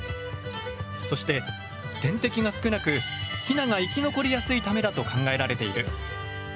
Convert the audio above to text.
そして天敵が少なくヒナが生き残りやすいためだと考えられている。